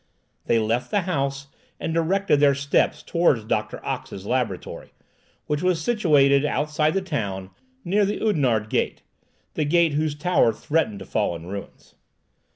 They left the house and directed their steps towards Doctor Ox's laboratory, which was situated outside the town, near the Oudenarde gate—the gate whose tower threatened to fall in ruins.